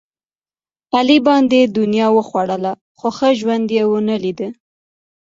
علي باندې دنیا وخوړله، خو ښه ژوند یې ونه لیدا.